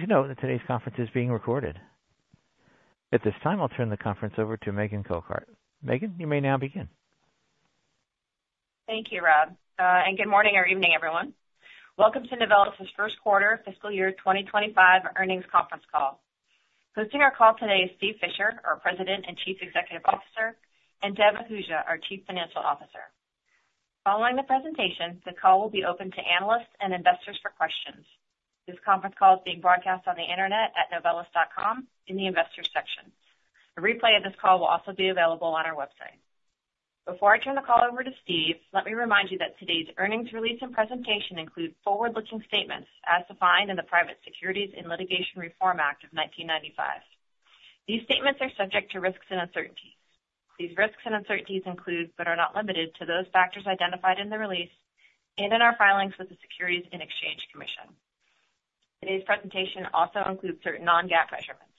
Please note that today's conference is being recorded. At this time, I'll turn the conference over to Megan Cochard. Megan, you may now begin. Thank you, Rob, and good morning or evening, everyone. Welcome to Novelis's first quarter Fiscal Year 2025 Earnings Conference Call. Hosting our call today is Steve Fisher, our President and Chief Executive Officer, and Dev Ahuja, our Chief Financial Officer. Following the presentation, the call will be open to analysts and investors for questions. This conference call is being broadcast on the internet at novelis.com in the Investors section. A replay of this call will also be available on our website. Before I turn the call over to Steve, let me remind you that today's earnings release and presentation include forward-looking statements as defined in the Private Securities Litigation Reform Act of 1995. These statements are subject to risks and uncertainties. These risks and uncertainties include, but are not limited to, those factors identified in the release and in our filings with the Securities and Exchange Commission. Today's presentation also includes certain non-GAAP measurements.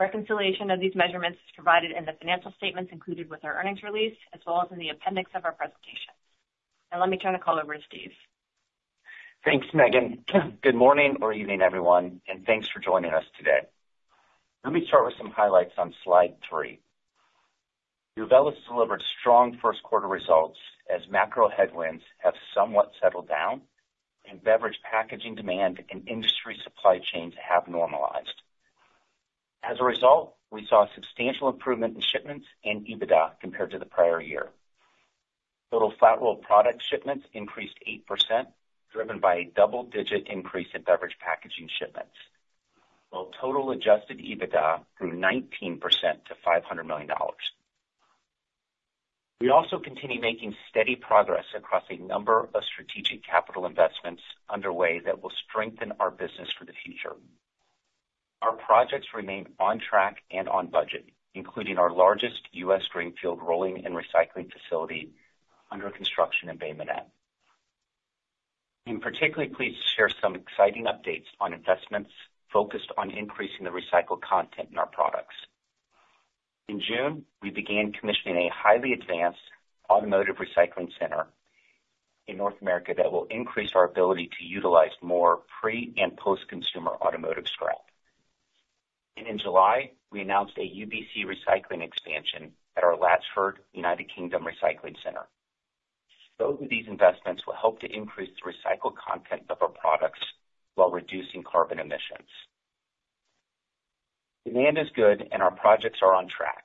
Reconciliation of these measurements is provided in the financial statements included with our earnings release, as well as in the appendix of our presentation. Let me turn the call over to Steve. Thanks, Megan. Good morning or evening, everyone, and thanks for joining us today. Let me start with some highlights on slide three. Novelis delivered strong first quarter results as macro headwinds have somewhat settled down and beverage packaging demand and industry supply chains have normalized. As a result, we saw a substantial improvement in shipments and EBITDA compared to the prior year. Total flat-rolled product shipments increased 8%, driven by a double-digit increase in beverage packaging shipments, while total Adjusted EBITDA grew 19% to $500 million. We also continue making steady progress across a number of strategic capital investments underway that will strengthen our business for the future. Our projects remain on track and on budget, including our largest U.S. greenfield rolling and recycling facility under construction in Bay Minette. I'm particularly pleased to share some exciting updates on investments focused on increasing the recycled content in our products. In June, we began commissioning a highly advanced automotive recycling center in North America that will increase our ability to utilize more pre- and post-consumer automotive scrap. In July, we announced a UBC recycling expansion at our Latchford, United Kingdom, recycling center. Both of these investments will help to increase the recycled content of our products while reducing carbon emissions. Demand is good, and our projects are on track.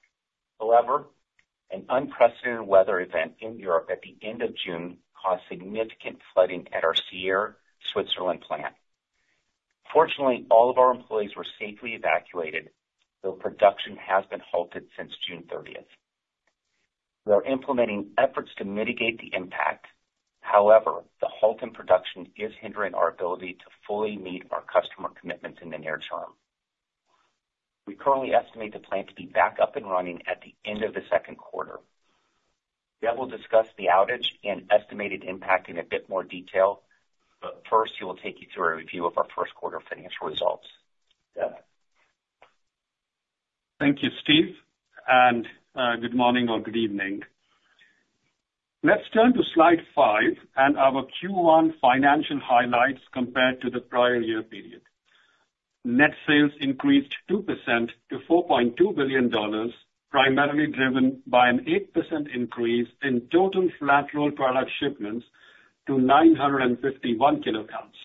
An unprecedented weather event in Europe at the end of June caused significant flooding at our Sierre Switzerland plant. Fortunately, all of our employees were safely evacuated, though production has been halted since June 30th. We are implementing efforts to mitigate the impact. The halt in production is hindering our ability to fully meet our customer commitments in the near term. We currently estimate the plant to be back up and running at the end of the second quarter. Dev will discuss the outage and estimated impact in a bit more detail. First, he will take you through a review of our first quarter financial results. Dev? Thank you, Steve. Good morning or good evening. Let's turn to slide five and our Q1 financial highlights compared to the prior year period. Net sales increased 2% to $4.2 billion, primarily driven by an 8% increase in total flat-rolled product shipments to 951 kilotonnes.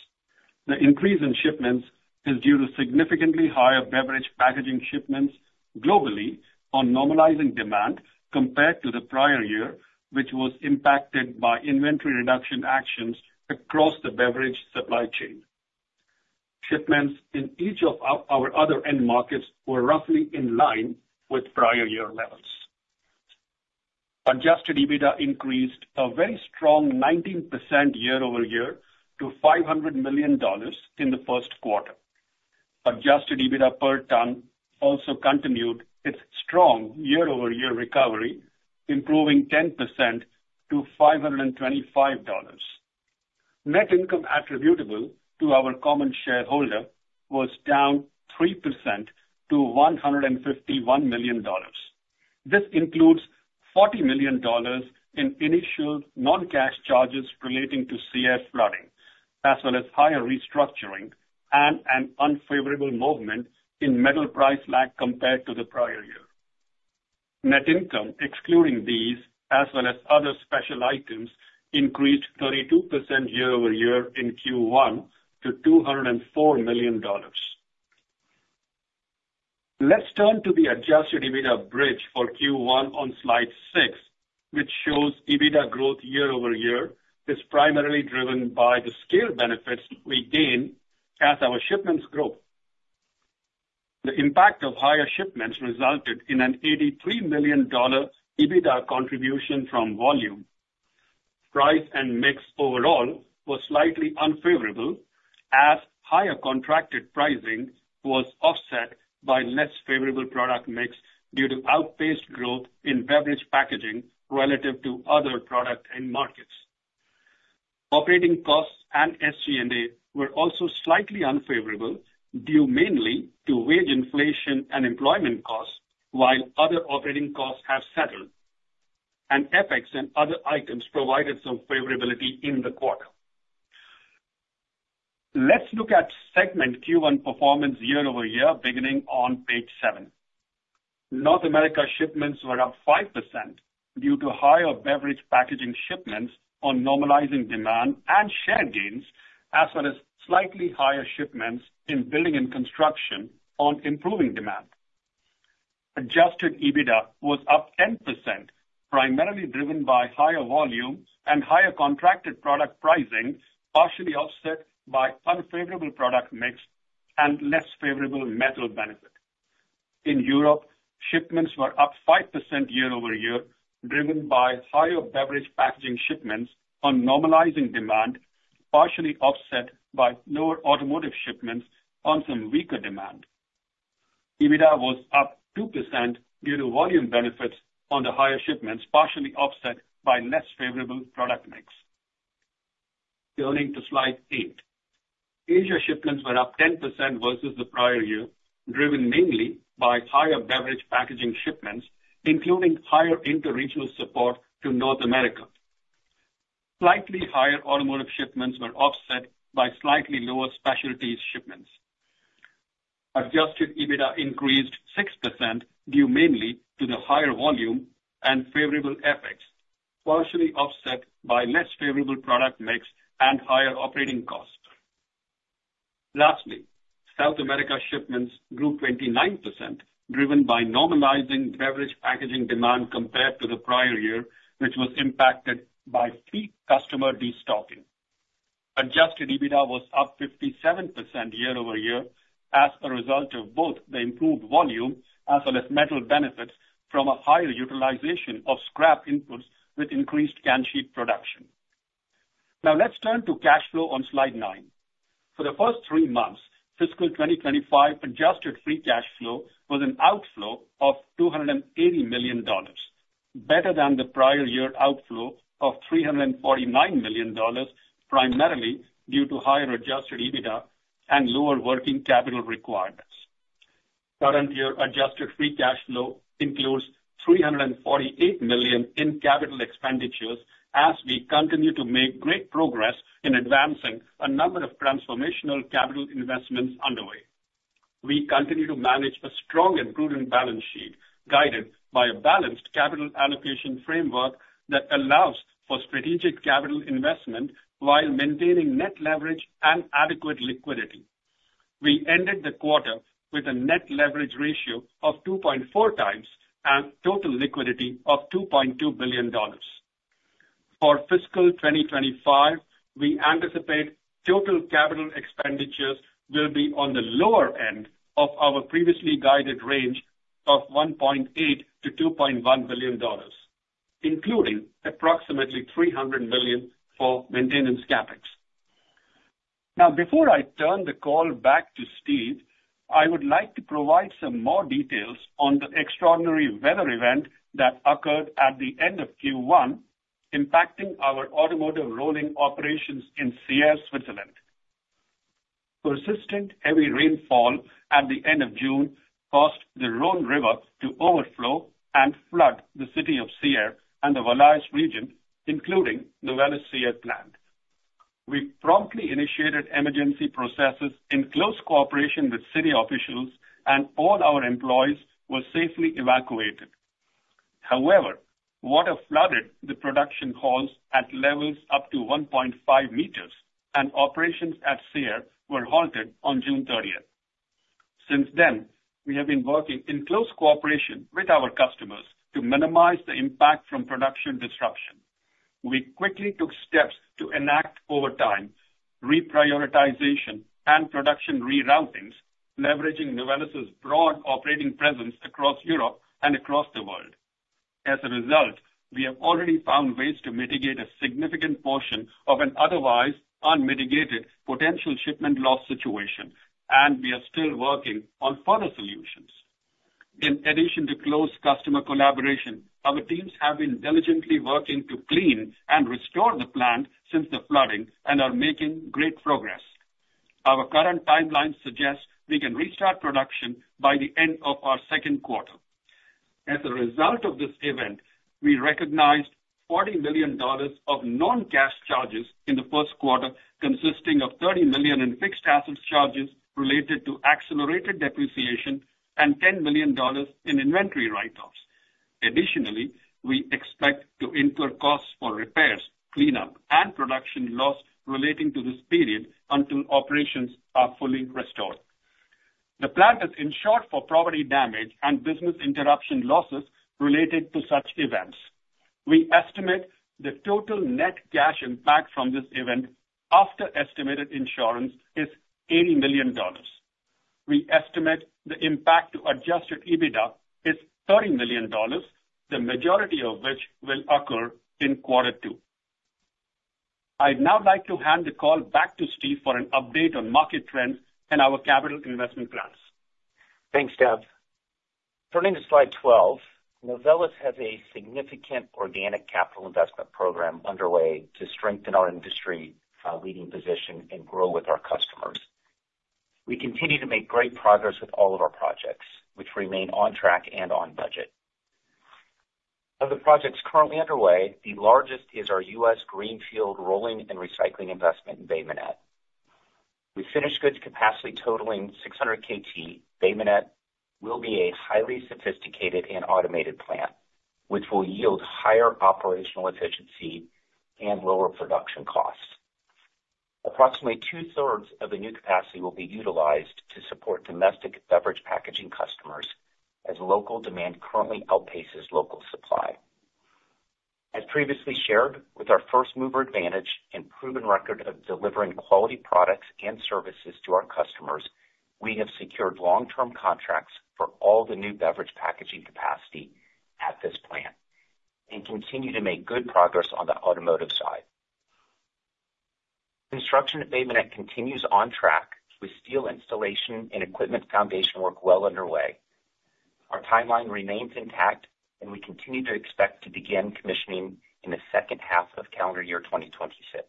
The increase in shipments is due to significantly higher beverage packaging shipments globally on normalizing demand compared to the prior year, which was impacted by inventory reduction actions across the beverage supply chain. Shipments in each of our other end markets were roughly in line with prior year levels. Adjusted EBITDA increased a very strong 19% year-over-year to $500 million in the first quarter. Adjusted EBITDA per ton also continued its strong year-over-year recovery, improving 10% to $525. Net income attributable to our common shareholder was down 3% to $151 million. This includes $40 million in initial non-cash charges relating to Sierre flooding, as well as higher restructuring and an unfavorable movement in metal price lag compared to the prior year. Net income, excluding these as well as other special items, increased 32% year-over-year in Q1 to $204 million. Let's turn to the Adjusted EBITDA bridge for Q1 on slide six, which shows EBITDA growth year-over-year is primarily driven by the scale benefits we gain as our shipments grow. The impact of higher shipments resulted in an $83 million EBITDA contribution from volume. Price and mix overall was slightly unfavorable, as higher contracted pricing was offset by less favorable product mix due to outpaced growth in beverage packaging relative to other product end markets. Operating costs and SG&A were also slightly unfavorable, due mainly to wage inflation and employment costs, while other operating costs have settled. FX and other items provided some favorability in the quarter. Let's look at segment Q1 performance year-over-year, beginning on page seven. North America shipments were up 5% due to higher beverage packaging shipments on normalizing demand and share gains, as well as slightly higher shipments in building and construction on improving demand. Adjusted EBITDA was up 10%, primarily driven by higher volumes and higher contracted product pricing, partially offset by unfavorable product mix and less favorable metal benefit. In Europe, shipments were up 5% year-over-year, driven by higher beverage packaging shipments on normalizing demand, partially offset by lower automotive shipments on some weaker demand. EBITDA was up 2% due to volume benefits on the higher shipments, partially offset by less favorable product mix. Turning to slide eight. Asia shipments were up 10% versus the prior year, driven mainly by higher beverage packaging shipments, including higher interregional support to North America. Slightly higher automotive shipments were offset by slightly lower specialties shipments. Adjusted EBITDA increased 6%, due mainly to the higher volume and favorable FX, partially offset by less favorable product mix and higher operating costs. Lastly, South America shipments grew 29%, driven by normalizing beverage packaging demand compared to the prior year, which was impacted by steep customer destocking. Adjusted EBITDA was up 57% year-over-year as a result of both the improved volume as well as metal benefits from a higher utilization of scrap inputs with increased can sheet production. Let's turn to cash flow on slide nine. For the first three months, fiscal 2025 Adjusted Free Cash Flow was an outflow of $280 million, better than the prior year outflow of $349 million, primarily due to higher Adjusted EBITDA and lower working capital requirements. Current year Adjusted Free Cash Flow includes $348 million in capital expenditures, as we continue to make great progress in advancing a number of transformational capital investments underway. We continue to manage a strong and prudent balance sheet, guided by a balanced capital allocation framework that allows for strategic capital investment while maintaining Net Leverage and adequate liquidity. We ended the quarter with a net leverage ratio of 2.4x and total liquidity of $2.2 billion. For fiscal 2025, we anticipate total capital expenditures will be on the lower end of our previously guided range of $1.8 billion-$2.1 billion, including approximately $300 million for maintenance CapEx. Before I turn the call back to Steve, I would like to provide some more details on the extraordinary weather event that occurred at the end of Q1, impacting our automotive rolling operations in Sierre, Switzerland. Persistent heavy rainfall at the end of June caused the Rhône River to overflow and flood the city of Sierre and the Valais region, including Novelis Sierre plant. We promptly initiated emergency processes in close cooperation with city officials, and all our employees were safely evacuated. However, water flooded the production halls at levels up to 1.5 meters, and operations at Sierre were halted on June 30th. Since then, we have been working in close cooperation with our customers to minimize the impact from production disruption. We quickly took steps to enact overtime, reprioritization, and production reroutings, leveraging Novelis's broad operating presence across Europe and across the world. As a result, we have already found ways to mitigate a significant portion of an otherwise unmitigated potential shipment loss situation, and we are still working on further solutions. In addition to close customer collaboration, our teams have been diligently working to clean and restore the plant since the flooding and are making great progress. Our current timeline suggests we can restart production by the end of our second quarter. As a result of this event, we recognized $40 million of non-cash charges in the first quarter, consisting of $30 million in fixed assets charges related to accelerated depreciation and $10 million in inventory write-offs. Additionally, we expect to incur costs for repairs, cleanup, and production loss relating to this period until operations are fully restored. The plant is insured for property damage and business interruption losses related to such events. We estimate the total net cash impact from this event after estimated insurance is $80 million. We estimate the impact to Adjusted EBITDA is $30 million, the majority of which will occur in quarter two. I'd now like to hand the call back to Steve for an update on market trends and our capital investment plans. Thanks, Dev. Turning to slide 12, Novelis has a significant organic capital investment program underway to strengthen our industry leading position and grow with our customers. We continue to make great progress with all of our projects, which remain on track and on budget. Of the projects currently underway, the largest is our U.S. greenfield rolling and recycling investment in Bay Minette. With finished goods capacity totaling 600 KT, Bay Minette will be a highly sophisticated and automated plant, which will yield higher operational efficiency and lower production costs. Approximately 2/3 of the new capacity will be utilized to support domestic beverage packaging customers, as local demand currently outpaces local supply. As previously shared, with our first mover advantage and proven record of delivering quality products and services to our customers, we have secured long-term contracts for all the new beverage packaging capacity at this plant and continue to make good progress on the automotive side. Construction at Bay Minette continues on track, with steel installation and equipment foundation work well underway. Our timeline remains intact, and we continue to expect to begin commissioning in the second half of calendar year 2026.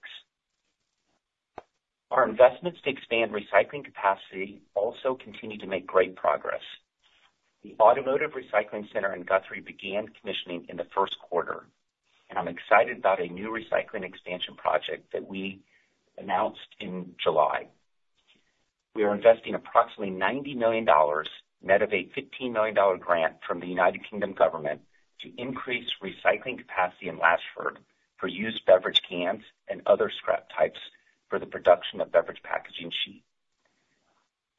Our investments to expand recycling capacity also continue to make great progress. The Automotive Recycling Center in Guthrie began commissioning in the first quarter, and I'm excited about a new recycling expansion project that we announced in July. We are investing approximately $90 million, net of a $15 million grant from the United Kingdom government, to increase recycling capacity in Latchford for used beverage cans and other scrap types for the production of beverage packaging sheet.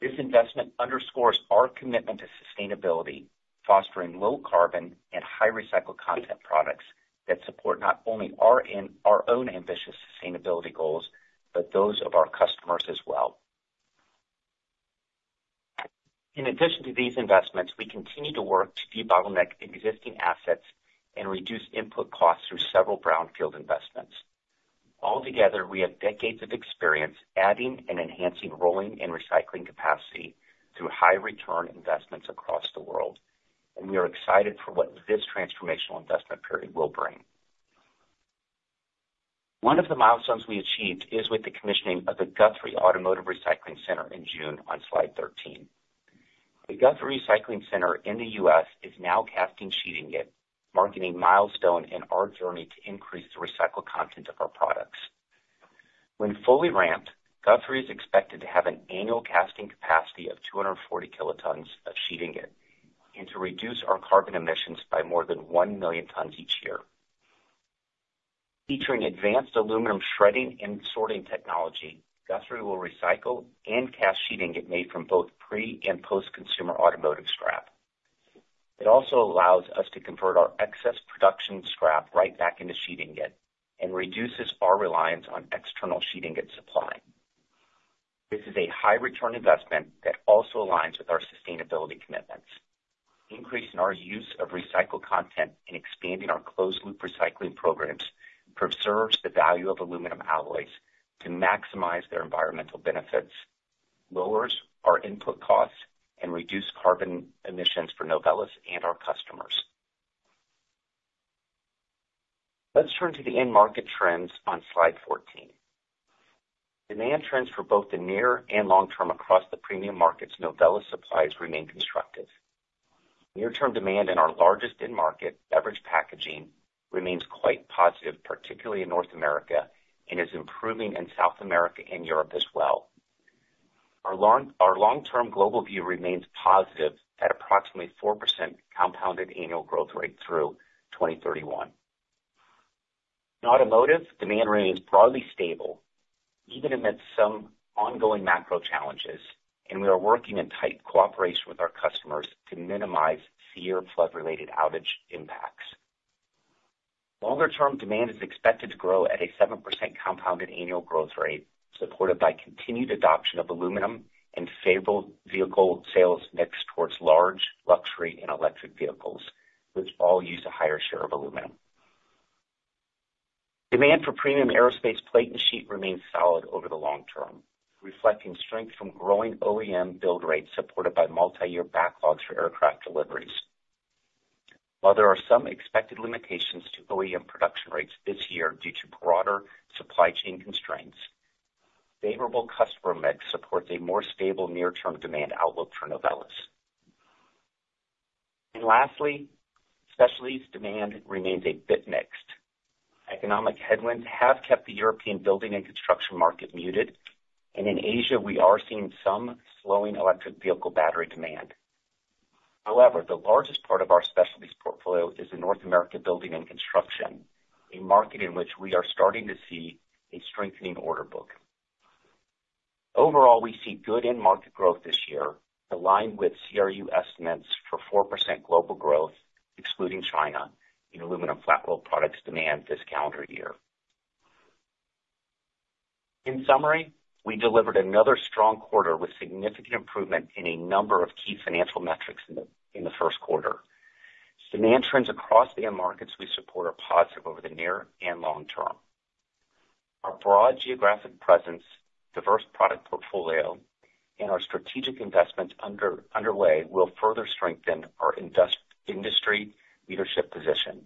This investment underscores our commitment to sustainability, fostering low carbon and high recycled content products that support not only our own ambitious sustainability goals, but those of our customers as well. In addition to these investments, we continue to work to debottleneck existing assets and reduce input costs through several brownfield investments. Altogether, we have decades of experience adding and enhancing rolling and recycling capacity through high return investments across the world, and we are excited for what this transformational investment period will bring. One of the milestones we achieved is with the commissioning of the Guthrie Automotive Recycling Center in June on slide 13. The Guthrie Recycling Center in the U.S. is now casting sheet ingot, marking a milestone in our journey to increase the recycled content of our products. When fully ramped, Guthrie is expected to have an annual casting capacity of 240 kilotons of sheet ingot, and to reduce our carbon emissions by more than 1 million tons each year. Featuring advanced aluminum shredding and sorting technology, Guthrie will recycle and cast sheet ingot made from both pre and post-consumer automotive scrap. It also allows us to convert our excess production scrap right back into sheet ingot and reduces our reliance on external sheet ingot supply. This is a high return investment that also aligns with our sustainability commitments. Increasing our use of recycled content and expanding our closed-loop recycling programs preserves the value of aluminum alloys to maximize their environmental benefits, lowers our input costs, and reduce carbon emissions for Novelis and our customers. Let's turn to the end market trends on slide 14. Demand trends for both the near and long term across the premium markets Novelis supplies remain constructive. Near-term demand in our largest end market, beverage packaging, remains quite positive, particularly in North America, and is improving in South America and Europe as well. Our long-term global view remains positive at approximately 4% compounded annual growth rate through 2031. In automotive, demand remains broadly stable, even amid some ongoing macro challenges. We are working in tight cooperation with our customers to minimize severe flood-related outage impacts. Longer-term demand is expected to grow at a 7% compounded annual growth rate, supported by continued adoption of aluminum and favorable vehicle sales mix towards large luxury and electric vehicles, which all use a higher share of aluminum. Demand for premium aerospace plate and sheet remains solid over the long term, reflecting strength from growing OEM build rates supported by multiyear backlogs for aircraft deliveries. While there are some expected limitations to OEM production rates this year due to broader supply chain constraints, favorable customer mix supports a more stable near-term demand outlook for Novelis. Lastly, specialties demand remains a bit mixed. Economic headwinds have kept the European building and construction market muted, and in Asia, we are seeing some slowing electric vehicle battery demand. However, the largest part of our specialties portfolio is the North America building and construction, a market in which we are starting to see a strengthening order book. Overall, we see good end market growth this year, aligned with CRU estimates for 4% global growth, excluding China, in aluminum flat roll products demand this calendar year. In summary, we delivered another strong quarter with significant improvement in a number of key financial metrics in the first quarter. Demand trends across the end markets we support are positive over the near and long term. Our broad geographic presence, diverse product portfolio, and our strategic investments underway will further strengthen our industry leadership position.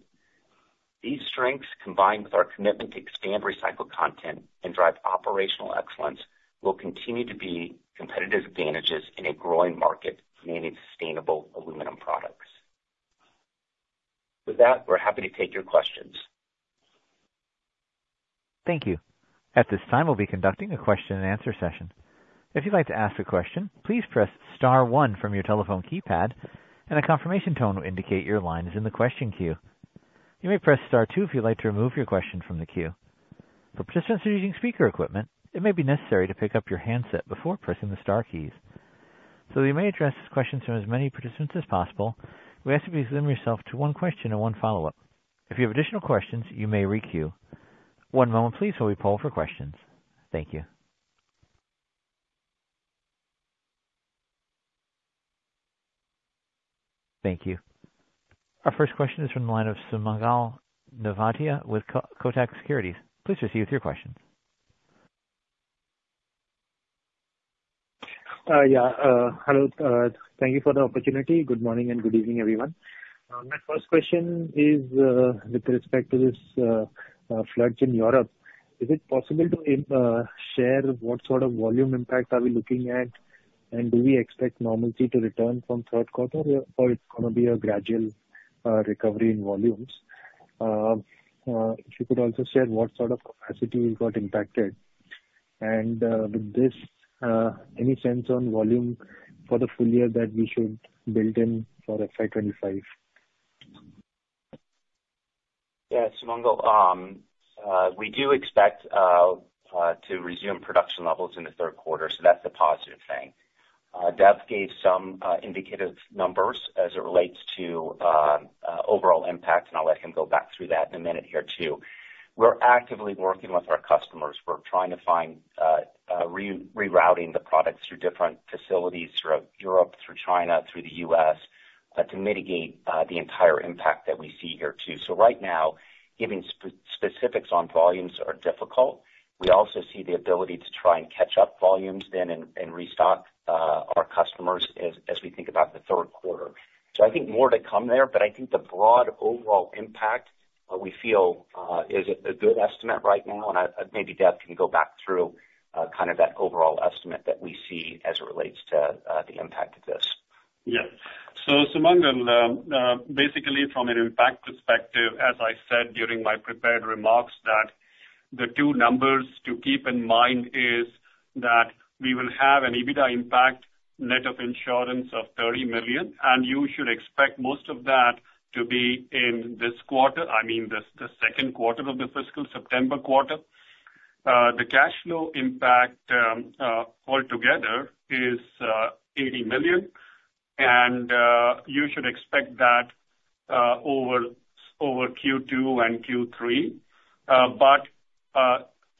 These strengths, combined with our commitment to expand recycled content and drive operational excellence, will continue to be competitive advantages in a growing market, needing sustainable aluminum products. With that, we're happy to take your questions. Thank you. At this time, we'll be conducting a question-and-answer session. If you'd like to ask a question, please press star one from your telephone keypad, and a confirmation tone will indicate your line is in the question queue. You may press star two if you'd like to remove your question from the queue. For participants using speaker equipment, it may be necessary to pick up your handset before pressing the star keys. That we may address questions from as many participants as possible, we ask that you limit yourself to one question and one follow-up. If you have additional questions, you may re-queue. One moment please, while we poll for questions. Thank you. Thank you. Our first question is from the line of Sumangal Nevatia, with Kotak Securities. Please proceed with your questions. Thank you for the opportunity. Good morning, and good evening, everyone. My first question is with respect to this floods in Europe. Is it possible to share what sort of volume impact are we looking at? Do we expect normalcy to return from third quarter, or it's gonna be a gradual recovery in volumes? If you could also share what sort of capacity got impacted? With this, any sense on volume for the full year that we should build in for FY2025? Yeah, Sumangal, we do expect to resume production levels in the third quarter. That's a positive thing. Dev gave some indicative numbers as it relates to overall impact, and I'll let him go back through that in a minute here, too. We're actively working with our customers. We're trying to find rerouting the products through different facilities throughout Europe, through China, through the U.S. to mitigate the entire impact that we see here, too. Right now, giving specifics on volumes are difficult. We also see the ability to try and catch up volumes then, and restock our customers as we think about the third quarter. I think more to come there, but I think the broad overall impact we feel is a good estimate right now. Maybe Dev can go back through, kind of that overall estimate that we see as it relates to, the impact of this. Yeah. Sumangal, basically, from an impact perspective, as I said during my prepared remarks, that the two numbers to keep in mind is, that we will have an EBITDA impact net of insurance of $30 million, you should expect most of that to be in this quarter, I mean, the second quarter of the fiscal September quarter. The cash flow impact altogether is $80 million, you should expect that over Q2 and Q3.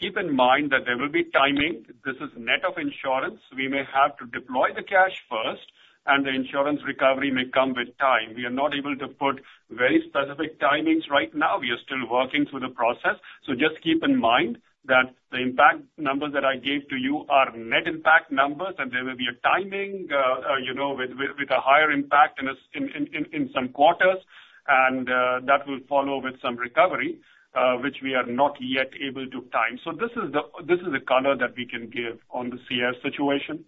Keep in mind that there will be timing. This is net of insurance. We may have to deploy the cash first, and the insurance recovery may come with time. We are not able to put very specific timings right now. We are still working through the process. Just keep in mind that the impact numbers that I gave to you are net impact numbers, and there will be a timing, you know, with a higher impact in some quarters, and that will follow with some recovery, which we are not yet able to time. This is the color that we can give on the CS situation.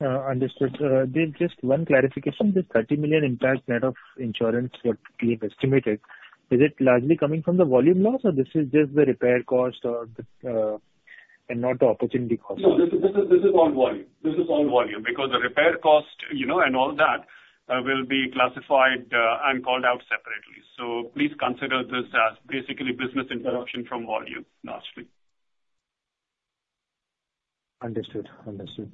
understood. Dev, just one clarification, the $30 million impact net of insurance that we have estimated, is it largely coming from the volume loss, or this is just the repair cost or the, and not the opportunity cost? No, this is on volume. This is on volume, because the repair cost, you know, and all that, will be classified and called out separately. Please consider this as basically business interruption from volume, largely. Understood. Understood.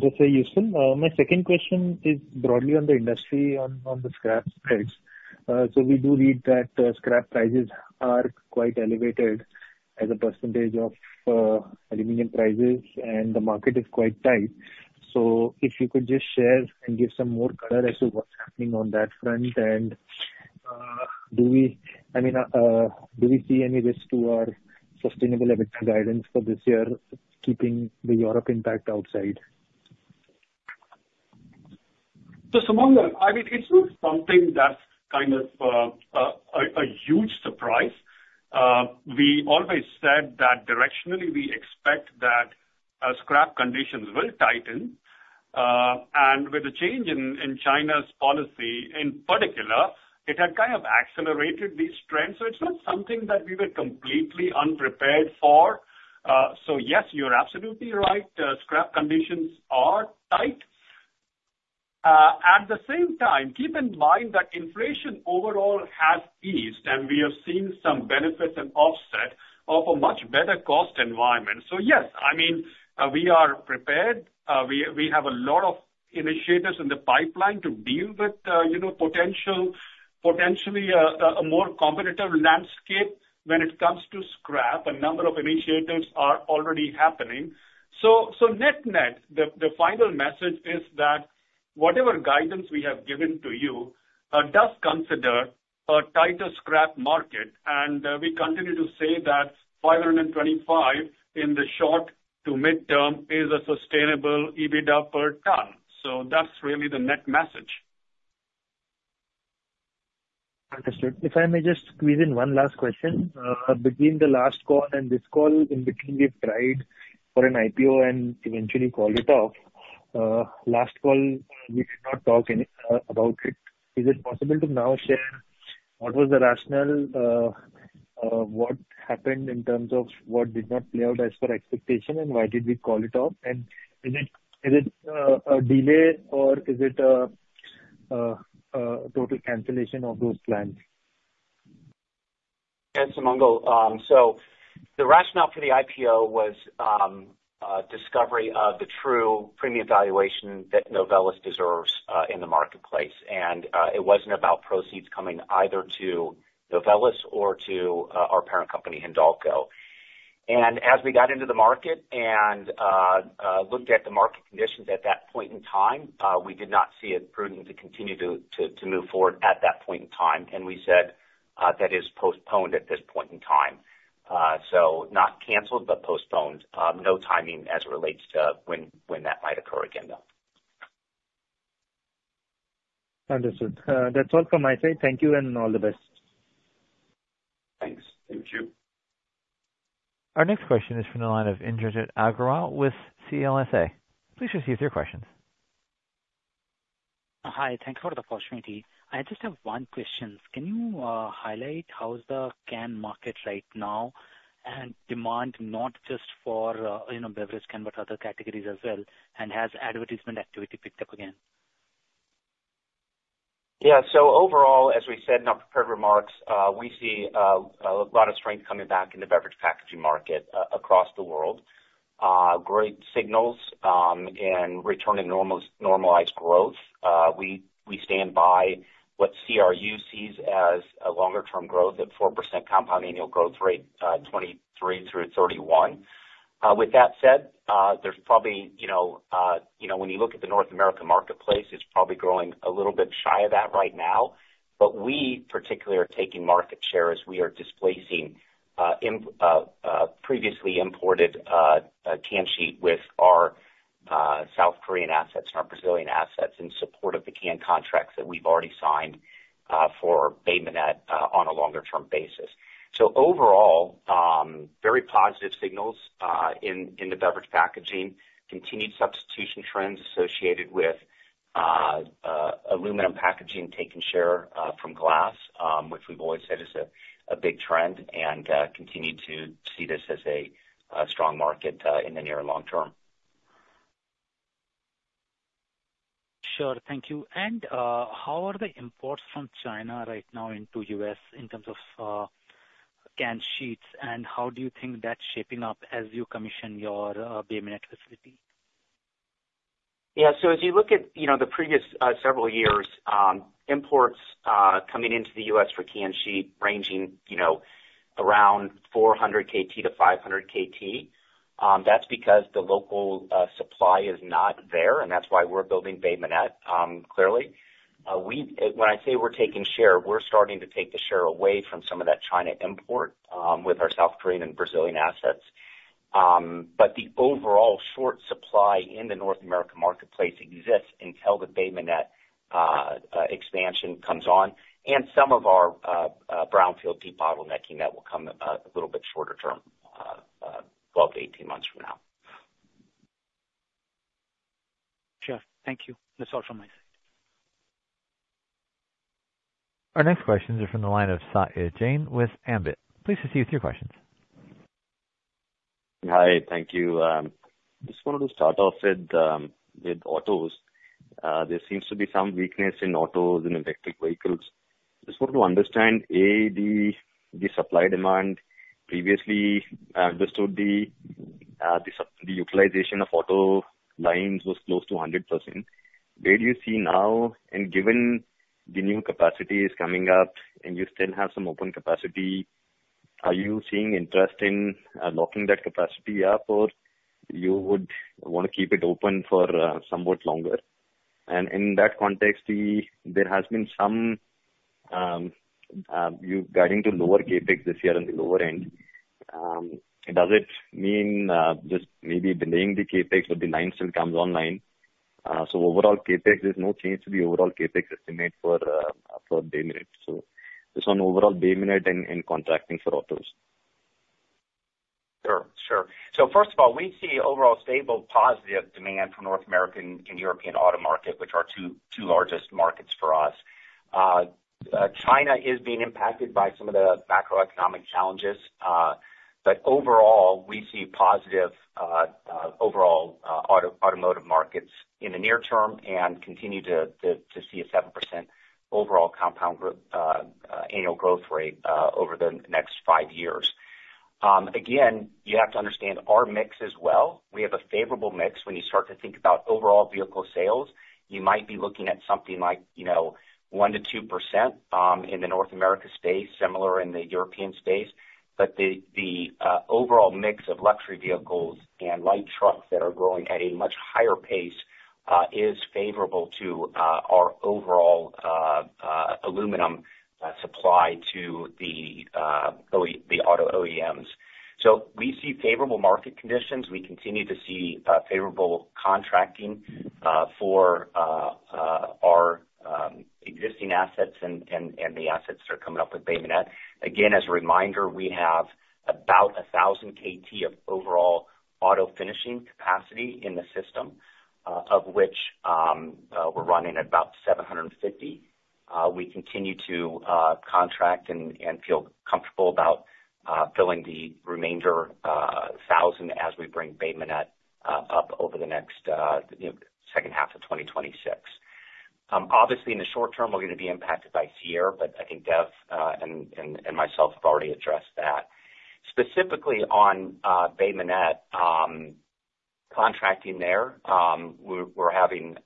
Just, Yusuf, my second question is broadly on the industry, on the scrap price. We do read that scrap prices are quite elevated as a percentage of aluminum prices, and the market is quite tight. If you could just share and give some more color as to what's happening on that front. Do we see any risk to our sustainable EBITDA guidance for this year, keeping the Europe impact outside? Sumangal, I mean, it's not something that's kind of a huge surprise. We always said that directionally, we expect that scrap conditions will tighten. With the change in China's policy, in particular, it had kind of accelerated these trends. It's not something that we were completely unprepared for. Yes, you're absolutely right, scrap conditions are tight. At the same time, keep in mind that inflation overall has eased, and we have seen some benefits and offset of a much better cost environment. Yes, I mean, we are prepared. We have a lot of initiatives in the pipeline to deal with, you know, potentially a more competitive landscape when it comes to scrap. A number of initiatives are already happening. Net, net, the final message is that whatever guidance we have given to you does consider a tighter scrap market, and we continue to say that 525 in the short to mid-term is a sustainable EBITDA per ton. That's really the net message. Understood. If I may just squeeze in one last question. Between the last call and this call, in between, we've tried for an IPO and eventually called it off. Last call, we did not talk any about it. Is it possible to now share what was the rationale? What happened in terms of what did not play out as per expectation, and why did we call it off? Is it a delay or is it a total cancellation of those plans? Yeah, Sumangal, so the rationale for the IPO was a discovery of the true premium valuation that Novelis deserves in the marketplace. It wasn't about proceeds coming either to Novelis or to our parent company, Hindalco. As we got into the market and looked at the market conditions at that point in time, we did not see it prudent to continue to move forward at that point in time. We said that is postponed at this point in time. Not canceled, but postponed. No timing as it relates to when that might occur again, though. Understood. That's all from my side. Thank you. All the best. Thanks. Thank you. Our next question is from the line of Indrajit Agarwal with CLSA. Please proceed with your questions. Hi, thank you for the opportunity. I just have one question. Can you highlight how's the can market right now, and demand, not just for, you know, beverage can, but other categories as well? Has advertisement activity picked up again? Overall, as we said in our prepared remarks, we see a lot of strength coming back in the beverage packaging market across the world. Great signals, and returning normalized growth. We, we stand by what CRU sees as a longer term growth at 4% compounded annual growth rate, 2023-2031. With that said, there's probably, you know, you know, when you look at the North American marketplace, it's probably growing a little bit shy of that right now, but we particularly are taking market share as we are displacing previously imported can sheet with our South Korean assets and our Brazilian assets in support of the can contracts that we've already signed, for Bay Minette, on a longer term basis. Overall, very positive signals in the beverage packaging. Continued substitution trends associated with aluminum packaging taking share from glass, which we've always said is a big trend, and continue to see this as a strong market in the near long term. Sure. Thank you. How are the imports from China right now into U.S. in terms of canned sheets, and how do you think that's shaping up as you commission your Bay Minette facility? Yeah. As you look at, you know, the previous several years, imports coming into the U.S. for can sheet ranging, you know, around 400 KT to 500 KT, that's because the local supply is not there, that's why we're building Bay Minette, clearly. When I say we're taking share, we're starting to take the share away from some of that China import with our South Korean and Brazilian assets. The overall short supply in the North American marketplace exists until the Bay Minette expansion comes on and some of our brownfield debottlenecking that will come a little bit shorter term, 12 to 18 months from now. Sure. Thank you. That's all from my side. Our next question is from the line of Sejal Jain with Ambit. Please proceed with your questions. Hi. Thank you. Just wanted to start off with autos. There seems to be some weakness in autos and electric vehicles. Just want to understand, A, the supply-demand. Previously, I understood the utilization of auto lines was close to 100%. Where do you see now, and given the new capacity is coming up and you still have some open capacity, are you seeing interest in locking that capacity up, or you would want to keep it open for somewhat longer? In that context, there has been some, you're guiding to lower CapEx this year on the lower end. Does it mean just maybe delaying the CapEx, but the line still comes online? Overall CapEx, there's no change to the overall CapEx estimate for Bay Minette. Just on overall Bay Minette and contracting for autos. Sure. Sure. First of all, we see overall stable positive demand from North American and European auto market, which are two largest markets for us. China is being impacted by some of the macroeconomic challenges, but overall, we see positive overall automotive markets in the near term and continue to see a 7% overall compounded annual growth rate over the next five years. Again, you have to understand our mix as well. We have a favorable mix. When you start to think about overall vehicle sales, you might be looking at something like, you know, 1%-2% in the North America space, similar in the European space. The overall mix of luxury vehicles and light trucks that are growing at a much higher pace is favorable to our overall aluminum supply to the auto OEMs. We see favorable market conditions. We continue to see favorable contracting for our existing assets and the assets that are coming up with Bay Minette. Again, as a reminder, we have about 1,000 KT of overall auto finishing capacity in the system, of which we're running at about 750 KT. We continue to contract and feel comfortable about filling the remainder 1,000 KT as we bring Bay Minette up over the next, you know, second half of 2026. Obviously, in the short term, we're going to be impacted by Sierre, I think Dev and myself have already addressed that. Specifically on Bay Minette, contracting there, we're having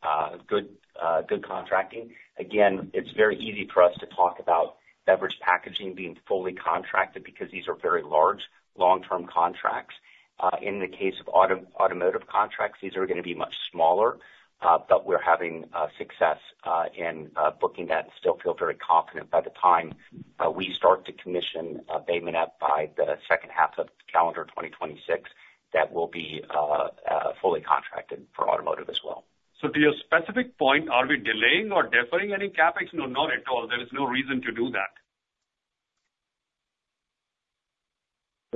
good contracting. Again, it's very easy for us to talk about beverage packaging being fully contracted because these are very large, long-term contracts. In the case of automotive contracts, these are gonna be much smaller, we're having success in booking that and still feel very confident by the time we start to commission Bay Minette up by the second half of calendar 2026, that will be fully contracted for automotive as well. To your specific point, are we delaying or deferring any CapEx? No, not at all. There is no reason to do that.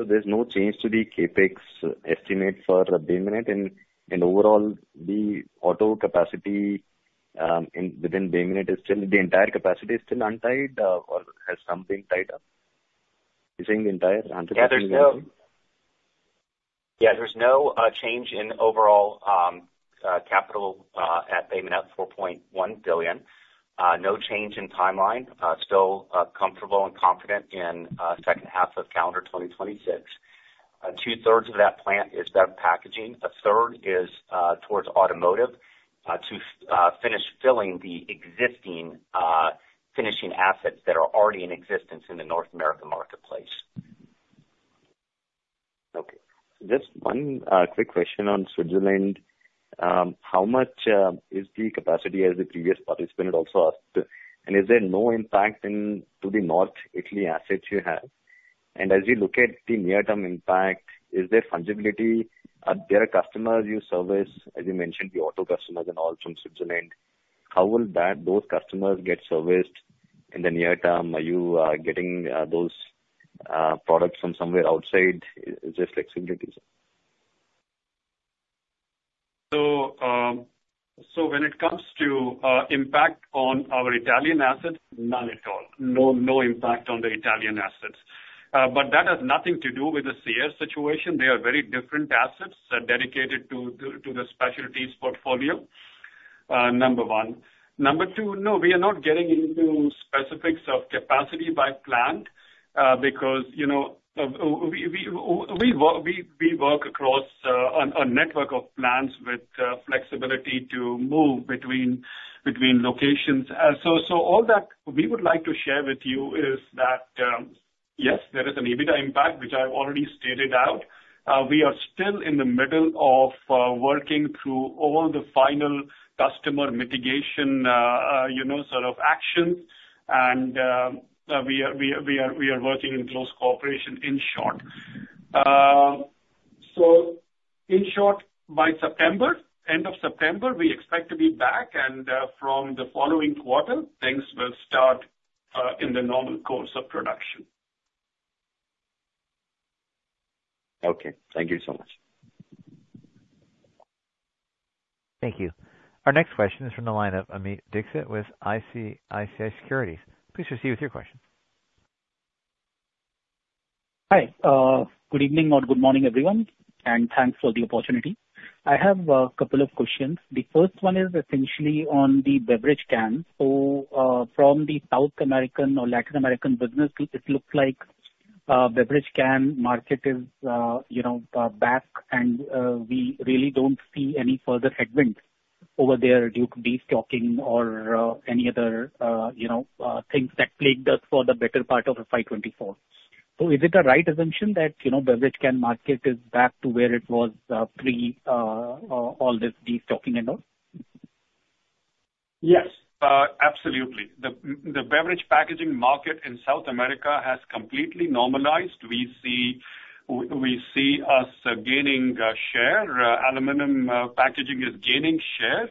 There's no change to the CapEx estimate for Bay Minette, and overall, the auto capacity in within Bay Minette the entire capacity is still untied, or has something tied up? Yeah, there's no change in overall capital at Bay Minette, $4.1 billion. No change in timeline. Still comfortable and confident in second half of calendar 2026. 2/3 of that plant is beverage packaging. 1/3 is towards automotive to finish filling the existing finishing assets that are already in existence in the North American marketplace. Okay. Just one quick question on Switzerland. How much is the capacity, as the previous participant had also asked, is there no impact in to the North Italy assets you have? As you look at the near-term impact, is there fungibility, are there customers you service, as you mentioned, the auto customers and all from Switzerland, how will that, those customers get serviced in the near term? Are you getting those products from somewhere outside? Is there flexibility, sir? When it comes to impact on our Italian assets, none at all. No, no impact on the Italian assets. That has nothing to do with the Sierre situation. They are very different assets dedicated to the specialties portfolio, number one. Number two, we are not getting into specifics of capacity by plant because, you know, we work across a network of plants with flexibility to move between locations. All that we would like to share with you is that yes, there is an EBITDA impact, which I've already stated out. We are still in the middle of working through all the final customer mitigation, you know, sort of actions. We are working in close cooperation in short. In short, by September, end of September, we expect to be back, and from the following quarter, things will start in the normal course of production. Okay, thank you so much. Thank you. Our next question is from the line of Amit Dixit with ICICI Securities. Please proceed with your question. Hi, good evening or good morning, everyone. Thanks for the opportunity. I have a couple of questions. The first one is essentially on the beverage can. From the South American or Latin American business, it looks like beverage can market is, you know, back, and we really don't see any further headwinds over there due to destocking or any other, you know, things that plagued us for the better part of FY 2024. Is it a right assumption that, you know, beverage can market is back to where it was pre all this destocking and all? Yes, absolutely. The beverage packaging market in South America has completely normalized. We see us gaining share. Aluminum packaging is gaining share.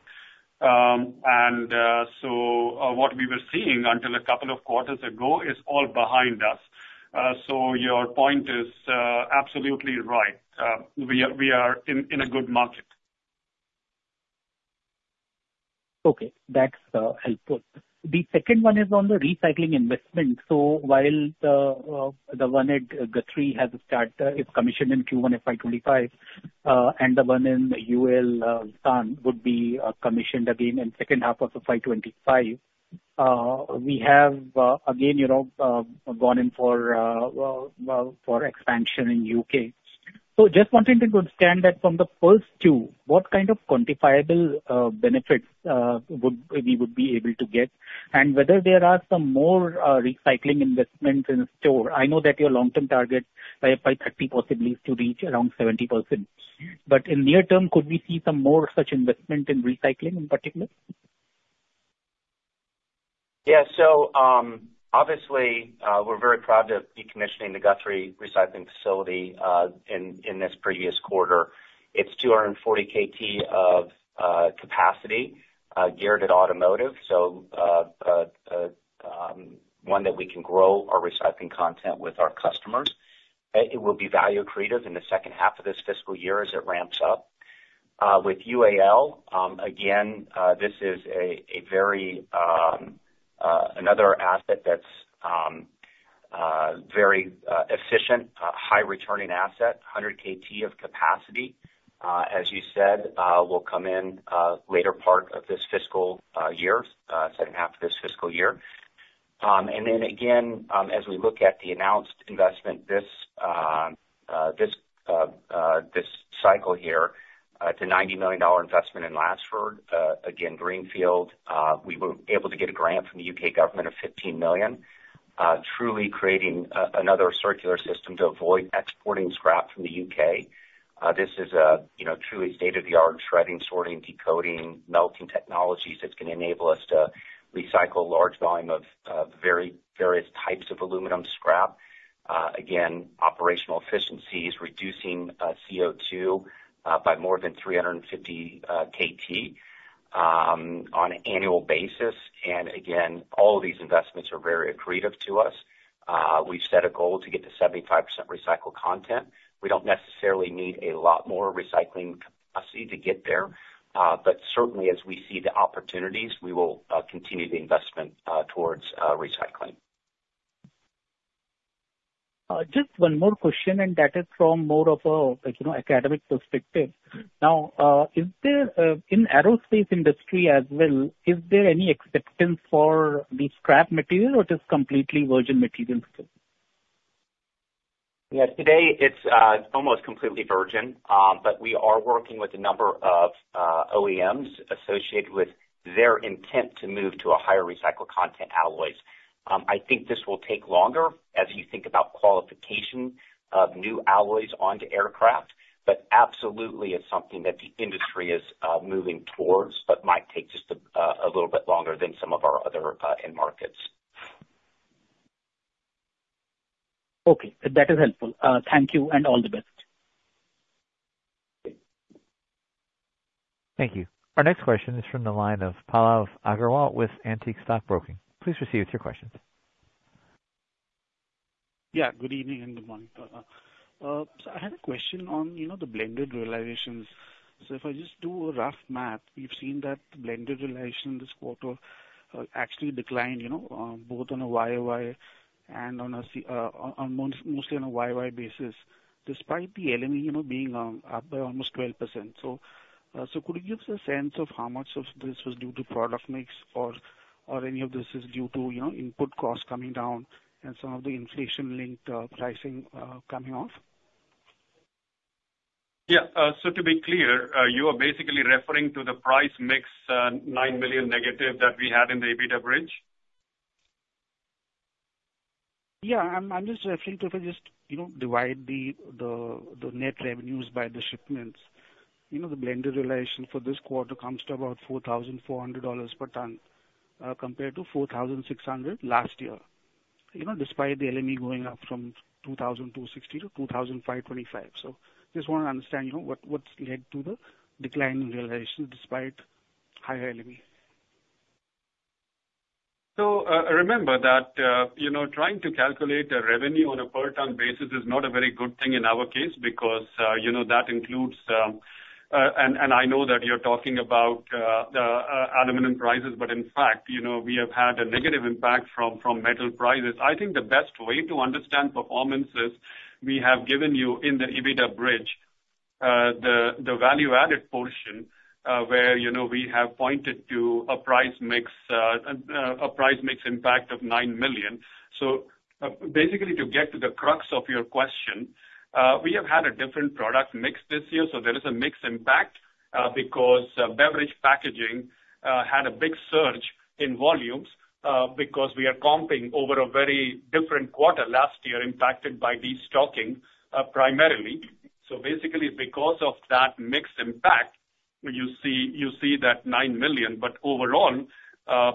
What we were seeing until a couple of quarters ago is all behind us. Your point is absolutely right. We are in a good market. Okay. That's helpful. The second one is on the recycling investment. While the one at Guthrie has started, it's commissioned in Q1 of FY 2025, and the one in Ulsan would be commissioned again in second half of FY 2025. We have again, you know, gone in for, well, for expansion in U.K. Just wanting to understand that from the first two, what kind of quantifiable benefits would we would be able to get, and whether there are some more recycling investments in store. I know that your long-term target by FY 2030 possibly is to reach around 70%. In near term, could we see some more such investment in recycling in particular? obviously, we're very proud of decommissioning the Guthrie recycling facility in this previous quarter. It's 240 KT of capacity geared at automotive. one that we can grow our recycling content with our customers. It will be value creative in the second half of this fiscal year as it ramps up. With UAL, again, this is a very another asset that's very efficient, a high returning asset, 100 KT of capacity. As you said, will come in later part of this fiscal year, second half of this fiscal year. Again, as we look at the announced investment, this this cycle here, it's a $90 million investment in Latchford. Again, Greenfield. We were able to get a grant from the U.K. government of $15 million, truly creating another circular system to avoid exporting scrap from the U.K. This is, you know, truly state-of-the-art shredding, sorting, decoding, melting technologies that's gonna enable us to recycle large volume of various types of aluminum scrap. Again, operational efficiencies, reducing CO2 by more than 350 KT on an annual basis. Again, all of these investments are very accretive to us. We've set a goal to get to 75% recycled content. We don't necessarily need a lot more recycling capacity to get there, but certainly as we see the opportunities, we will continue the investment towards recycling. Just one more question, that is from more of a, like, you know, academic perspective. Now, is there in aerospace industry as well, is there any acceptance for the scrap material or just completely virgin material still? Yes, today, it's almost completely virgin, but we are working with a number of OEMs associated with their intent to move to a higher recycled content alloys. I think this will take longer as you think about qualification of new alloys onto aircraft, but absolutely it's something that the industry is moving towards, but might take just a little bit longer than some of our other end markets. Okay, that is helpful. Thank you, and all the best. Thank you. Our next question is from the line of Pallav Agarwal with Antique Stock Broking. Please proceed with your questions. Good evening and good morning, Pallav. I had a question on, you know, the blended realizations. If I just do a rough math, we've seen that the blended realization this quarter, actually declined, you know, both on a YOY and on a mostly on a YOY basis, despite the LME, you know, being up by almost 12%. Could you give us a sense of how much of this was due to product mix or any of this is due to, you know, input costs coming down and some of the inflation-linked, pricing, coming off? Yeah, to be clear, you are basically referring to the price mix, $9 million negative that we had in the EBITDA bridge? Yeah, I'm just referring to if I just, you know, divide the net revenues by the shipments. You know, the blended realization for this quarter comes to about $4,400 per ton, compared to $4,600 last year, you know, despite the LME going up from 2,260 to 2,525. Just want to understand, you know, what's led to the decline in realization despite higher LME? Remember that, you know, trying to calculate a revenue on a per ton basis is not a very good thing in our case, because, you know, that includes. I know that you're talking about the aluminum prices, but in fact, you know, we have had a negative impact from metal prices. I think the best way to understand performances, we have given you in the EBITDA bridge, the value-added portion, where, you know, we have pointed to a price mix impact of $9 million. Basically, to get to the crux of your question, we have had a different product mix this year, so there is a mix impact, because beverage packaging had a big surge in volumes, because we are comping over a very different quarter last year, impacted by destocking primarily. Basically, because of that mix impact, you see that $9 million, but overall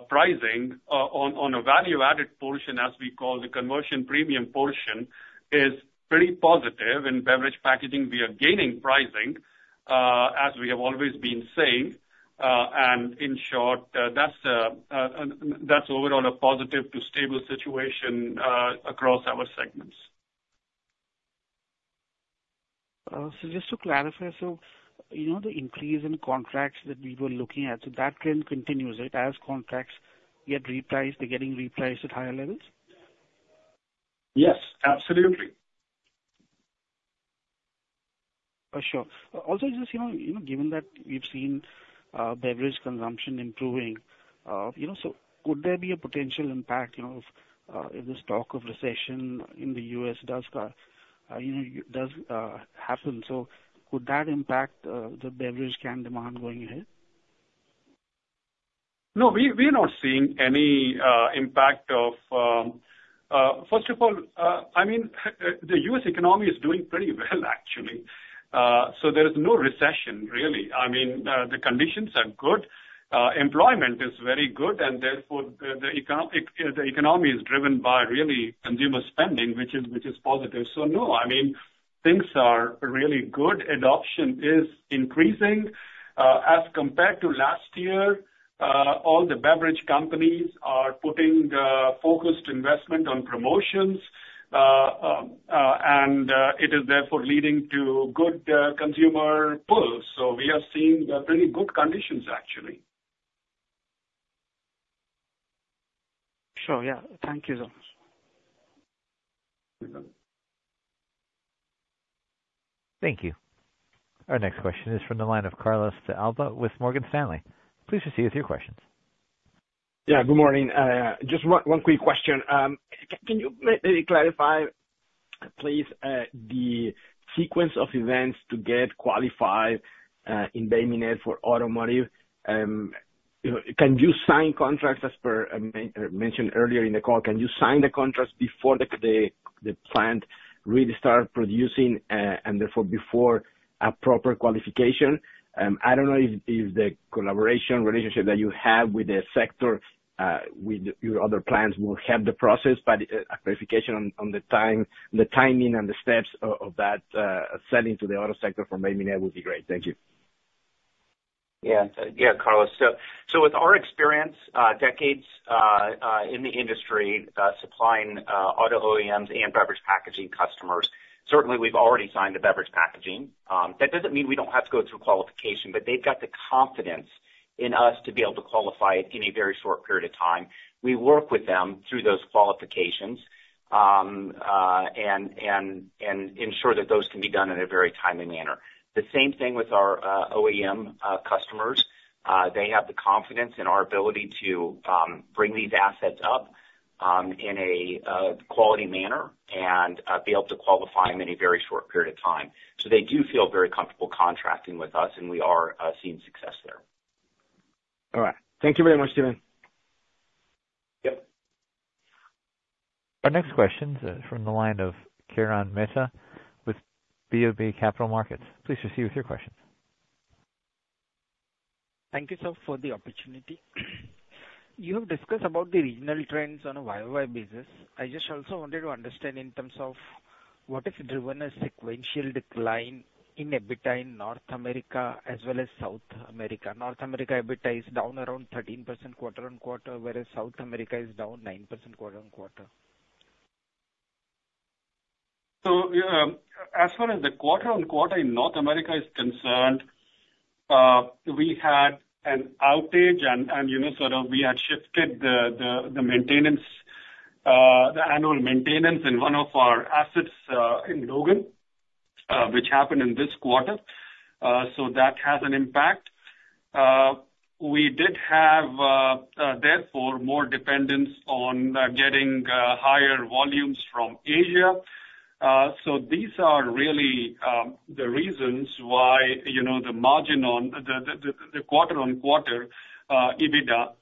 pricing on a value-added portion, as we call the conversion premium portion, is pretty positive. In beverage packaging, we are gaining pricing, as we have always been saying. In short, that's overall a positive to stable situation across our segments. just to clarify, you know, the increase in contracts that we were looking at, so that trend continues, right? As contracts get repriced, they're getting repriced at higher levels? Yes, absolutely. Sure. Just, you know, given that we've seen, beverage consumption improving, you know, so could there be a potential impact, you know, if this talk of recession in the U.S. does, you know, does happen? Could that impact the beverage can demand going ahead? No, we're not seeing any impact of. First of all, I mean, the U.S. economy is doing pretty well, actually. There is no recession, really. I mean, the conditions are good, employment is very good, and therefore, the economy is driven by really consumer spending, which is, which is positive. No, I mean, things are really good. Adoption is increasing. As compared to last year, all the beverage companies are putting the focused investment on promotions. ... it is therefore leading to good consumer pulls. We are seeing really good conditions actually. Sure. Yeah. Thank you so much. Thank you. Our next question is from the line of Carlos de Alba with Morgan Stanley. Please proceed with your questions. Yeah, good morning. just one quick question. Can you maybe clarify, please, the sequence of events to get qualified in Bay Minette for automotive? Can you sign contracts as per mentioned earlier in the call? Can you sign the contracts before the plant really start producing and therefore before a proper qualification? I don't know if the collaboration relationship that you have with the sector, with your other plants will help the process, but a clarification on the time, the timing and the steps of that selling to the auto sector from Bay Minette would be great. Thank you. Carlos. With our experience, decades in the industry, supplying auto OEMs and beverage packaging customers, certainly we've already signed the beverage packaging. That doesn't mean we don't have to go through qualification, but they've got the confidence in us to be able to qualify in a very short period of time. We work with them through those qualifications and ensure that those can be done in a very timely manner. The same thing with our OEM customers. They have the confidence in our ability to bring these assets up in a quality manner and be able to qualify them in a very short period of time. They do feel very comfortable contracting with us, and we are seeing success there. All right. Thank you very much, Steve Fisher. Yep. Our next question is from the line of Kirtan Mehta with BOB Capital Markets. Please proceed with your questions. Thank you, sir, for the opportunity. You have discussed about the regional trends on a YOY basis. I just also wanted to understand in terms of what has driven a sequential decline in EBITDA in North America as well as South America. North America, EBITDA is down around 13% quarter-on-quarter, whereas South America is down 9% quarter-on-quarter. As far as the quarter-on-quarter in North America is concerned, we had an outage and, you know, sort of we had shifted the maintenance, the annual maintenance in one of our assets in Logan, which happened in this quarter. That has an impact. We did have, therefore, more dependence on getting higher volumes from Asia. These are really the reasons why, you know, the margin on the quarter-on-quarter EBITDA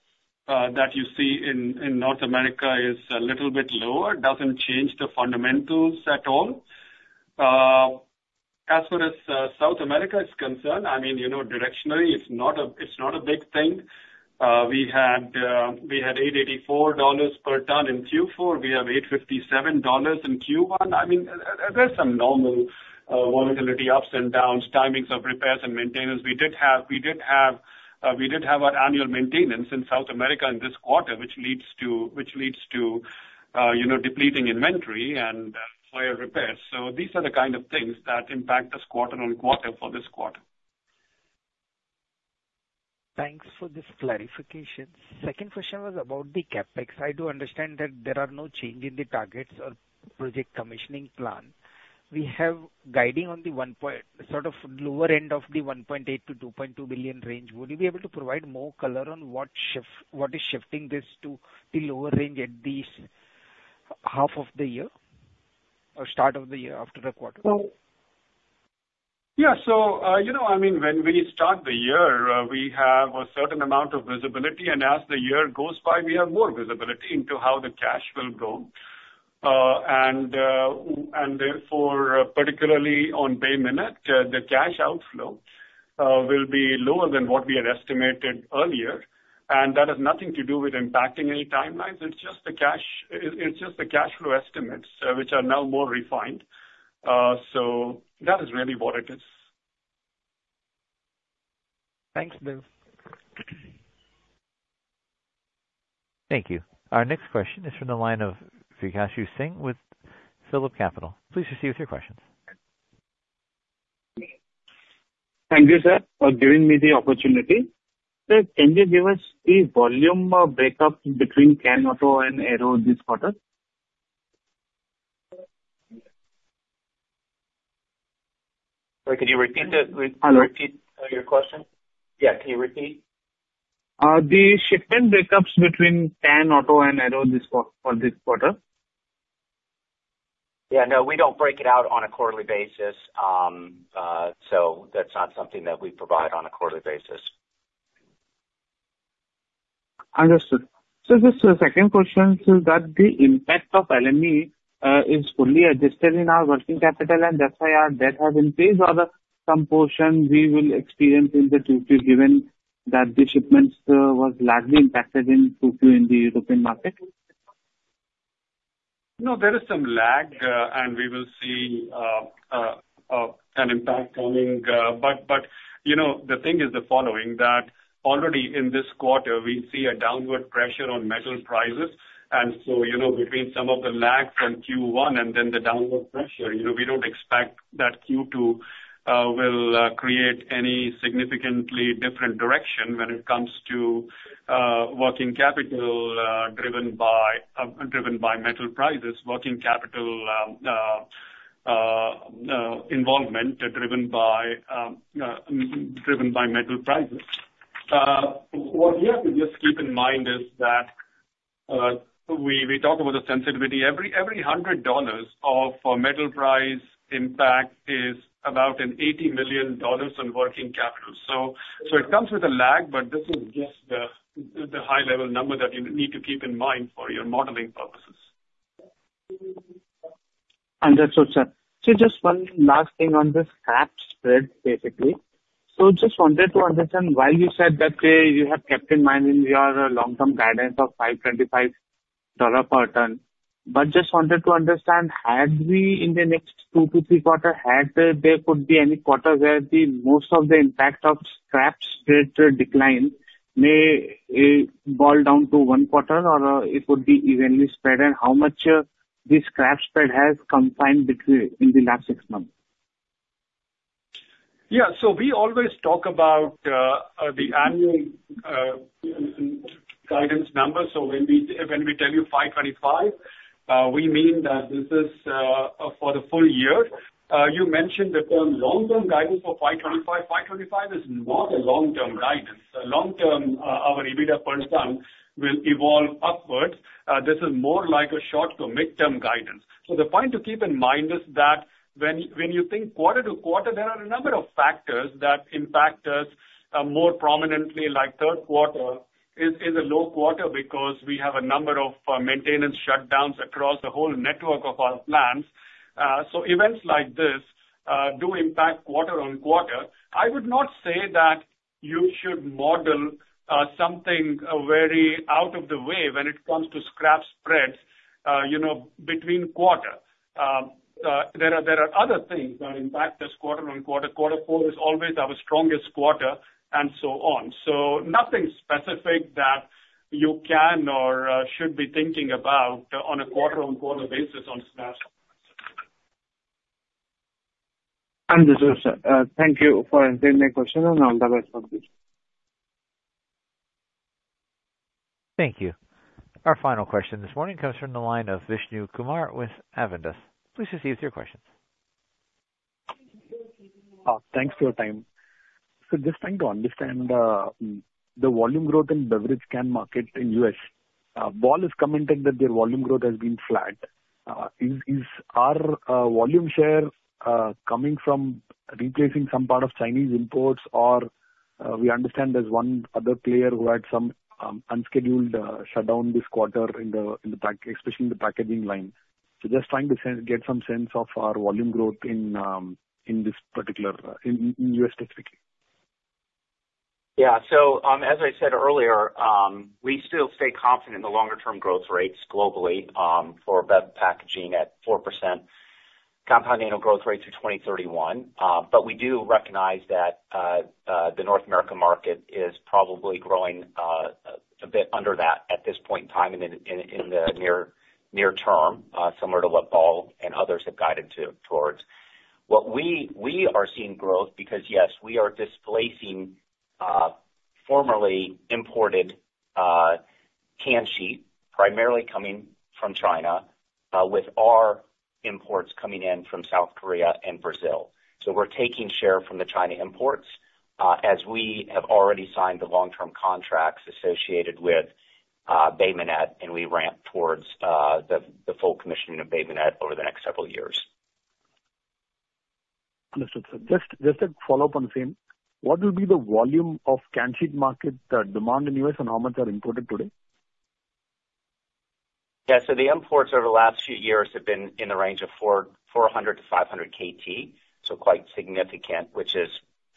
that you see in North America is a little bit lower. Doesn't change the fundamentals at all. As far as South America is concerned, I mean, you know, directionally, it's not a big thing. We had $884 per ton in Q4. We have $857 in Q1. I mean, there's some normal volatility, ups and downs, timings of repairs and maintenance. We did have our annual maintenance in South America in this quarter, which leads to, you know, depleting inventory and player repairs. These are the kind of things that impact us quarter-on-quarter for this quarter. Thanks for this clarification. Second question was about the CapEx. I do understand that there are no change in the targets or project commissioning plan. We have guiding sort of lower end of the $1.8 billion-$2.2 billion range. Would you be able to provide more color on what shift, what is shifting this to the lower range at this half of the year or start of the year after the quarter? Yeah. you know, I mean, when we start the year, we have a certain amount of visibility, and as the year goes by, we have more visibility into how the cash will go. Therefore particularly on Bay Minette, the cash outflow will be lower than what we had estimated earlier, and that has nothing to do with impacting any timelines. It's just the cash flow estimates, which are now more refined. That is really what it is. Thanks, Dev. Thank you. Our next question is from the line of Vikash Singh with Phillip Capital. Please proceed with your questions. Thank you, sir, for giving me the opportunity. Sir, can you give us the volume breakup between can auto and aero this quarter? Sorry, could you repeat it? Uh, Repeat, your question? Can you repeat? The shipment breakups between can, auto, and aero this for this quarter? Yeah, no, we don't break it out on a quarterly basis. That's not something that we provide on a quarterly basis. Understood. just a second question, so that the impact of LME is fully adjusted in our working capital, and that's why our debt has increased or some portion we will experience in the Q2, given that the shipments was largely impacted in Q2 in the European market? No, there is some lag, and we will see an impact coming. You know, the thing is the following, that already in this quarter, we see a downward pressure on metal prices. You know, between some of the lag from Q1 and then the downward pressure, you know, we don't expect that Q2 will create any significantly different direction when it comes to working capital, driven by metal prices, working capital involvement, driven by metal prices. What we have to just keep in mind is that we talked about the sensitivity. Every $100 of, for metal price impact is about an $80 million in working capital. it comes with a lag, but this is just the high level number that you need to keep in mind for your modeling purposes. Understood, sir. Just one last thing on this scrap spread, basically. Just wanted to understand why you said that you have kept in mind in your long-term guidance of $525 per ton. Just wanted to understand, had we in the next two to three quarter, had there could be any quarter where the most of the impact of scrap spread decline may boil down to one quarter, or it could be evenly spread, and how much this scrap spread has confined in the last six months? We always talk about the annual guidance number. When we tell you 525, we mean that this is for the full year. You mentioned the term long-term guidance for 525. 525 is not a long-term guidance. Long term, our EBITDA per ton will evolve upwards. This is more like a short to midterm guidance. The point to keep in mind is that when you think quarter to quarter, there are a number of factors that impact us more prominently. Like third quarter is a low quarter because we have a number of maintenance shutdowns across the whole network of our plants. Events like this do impact quarter on quarter. I would not say that you should model something very out of the way when it comes to scrap spreads, you know, between quarter. There are other things that impact us quarter-on-quarter. Quarter four is always our strongest quarter, and so on. Nothing specific that you can or should be thinking about on a quarter-on-quarter basis on scrap. Understood, sir. Thank you for answering my question. I'll divert from this. Thank you. Our final question this morning comes from the line of Vishnu Kumar with Avendus. Please proceed with your questions. Thanks for your time. Just trying to understand the volume growth in beverage can market in U.S. Ball has commented that their volume growth has been flat. Is our volume share coming from replacing some part of Chinese imports? We understand there's one other player who had some unscheduled shutdown this quarter especially in the packaging line. Just trying to get some sense of our volume growth in this particular in U.S. specifically. Yeah. As I said earlier, we still stay confident in the longer term growth rates globally, for bev packaging at 4% compounded annual growth rate through 2031. We do recognize that the North America market is probably growing a bit under that at this point in time in the near term, similar to what Ball and others have guided towards. What we are seeing growth because, yes, we are displacing formerly imported can sheet, primarily coming from China, with our imports coming in from South Korea and Brazil. We're taking share from the China imports, as we have already signed the long-term contracts associated with Bay Minette, and we ramp towards the full commissioning of Bay Minette over the next several years. Understood, sir. Just a follow-up on the same. What will be the volume of can sheet market, the demand in U.S., and how much are imported today? Yeah. The imports over the last few years have been in the range of 400-500 KT. Quite significant, which is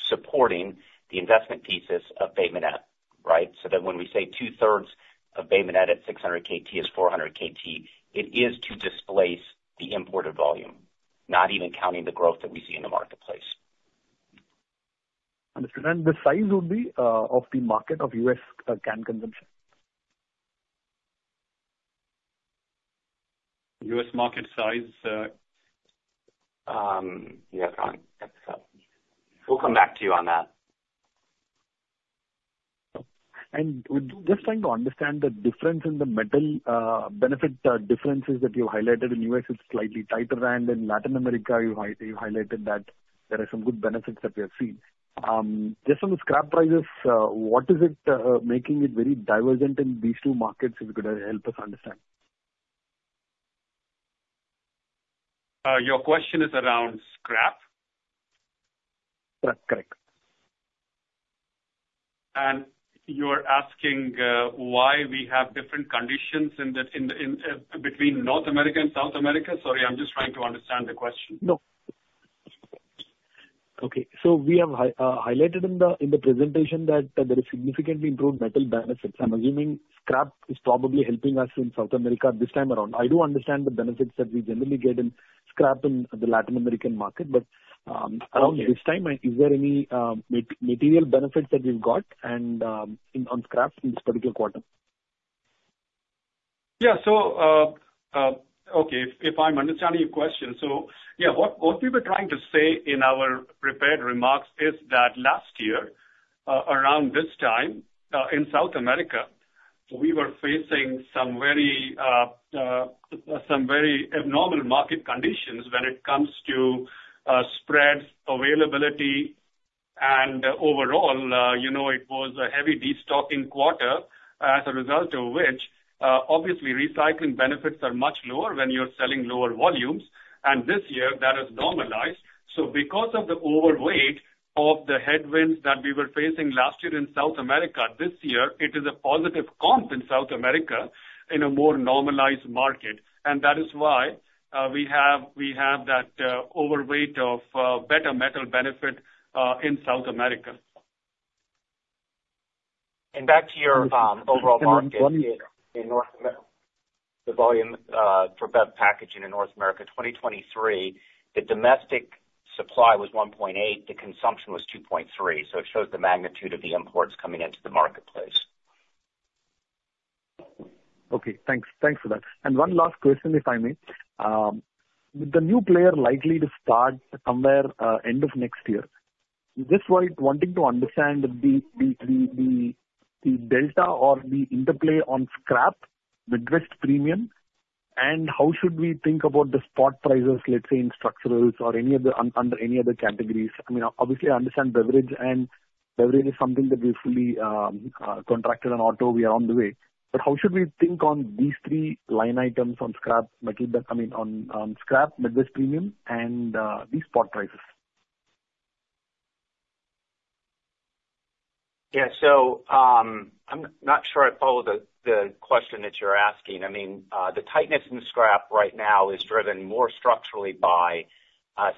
supporting the investment thesis of Bay Minette, right? That when we say two-thirds of Bay Minette at 600 KT is 400 KT, it is to displace the imported volume, not even counting the growth that we see in the marketplace. Understood. The size would be of the market of U.S. can consumption? U.S. market size... Yeah, can't. We'll come back to you on that. Just trying to understand the difference in the metal, benefit, differences that you highlighted in U.S. is slightly tighter than in Latin America. You highlighted that there are some good benefits that we have seen. Just on the scrap prices, what is it making it very divergent in these two markets, if you could help us understand? Your question is around scrap? Yeah, correct. You're asking why we have different conditions between North America and South America? Sorry, I'm just trying to understand the question. We have highlighted in the presentation that there is significantly improved metal benefits. I'm assuming scrap is probably helping us in South America this time around. I do understand the benefits that we generally get in scrap in the Latin American market, but, around this time, is there any material benefits that you've got and on scrap in this particular quarter? Yeah. Okay, if I'm understanding your question, so yeah, what we were trying to say in our prepared remarks is that last year, around this time, in South America, we were facing some very, some very abnormal market conditions when it comes to spreads, availability, and overall, you know, it was a heavy destocking quarter. As a result of which, obviously, recycling benefits are much lower when you're selling lower volumes, and this year, that has normalized. Because of the overweight of the headwinds that we were facing last year in South America, this year it is a positive comp in South America in a more normalized market. That is why we have that overweight of better metal benefit in South America. Back to your overall market in North America, the volume for bev packaging in North America, 2023, the domestic supply was 1.8, the consumption was 2.3, so it shows the magnitude of the imports coming into the marketplace. Okay, thanks. Thanks for that. One last question, if I may. With the new player likely to start somewhere, end of next year, just while wanting to understand the delta or the interplay on scrap, Midwest premium, and how should we think about the spot prices, let's say, in structurals or any other, under any other categories? I mean, obviously, I understand beverage and beverage is something that we fully contracted in auto, we are on the way. How should we think on these three line items on scrap metal, I mean, on scrap, Midwest premium, and these spot prices? Yeah. I'm not sure I follow the question that you're asking. I mean, the tightness in scrap right now is driven more structurally by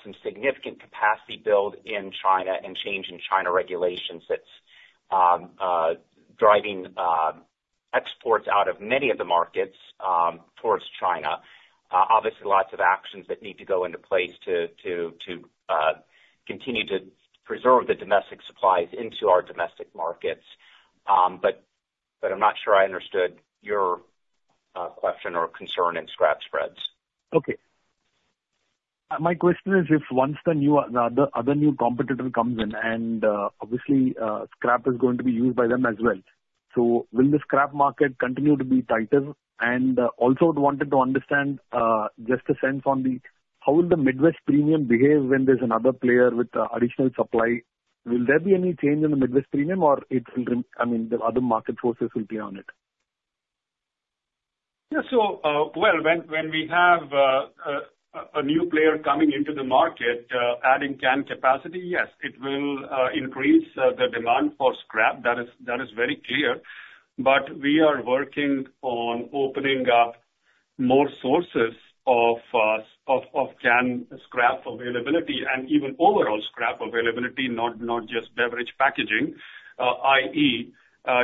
some significant capacity build in China and change in China regulations that's driving exports out of many of the markets towards China. Obviously, lots of actions that need to go into place to continue to preserve the domestic supplies into our domestic markets. I'm not sure I understood your question or concern in scrap spreads. Okay. My question is, if once the new, the other new competitor comes in and, obviously, scrap is going to be used by them as well, will the scrap market continue to be tighter? Also wanted to understand, just a sense on how will the Midwest premium behave when there's another player with additional supply? Will there be any change in the Midwest premium, or it will, I mean, the other market forces will be on it? Well, when we have a new player coming into the market, adding can capacity, yes, it will increase the demand for scrap. That is very clear. We are working on opening up more sources of can scrap availability and even overall scrap availability, not just beverage packaging. I.e.,